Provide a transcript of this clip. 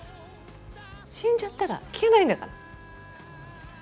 死んじゃったら聴けないんだから。